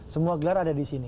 semua gelar ada di sini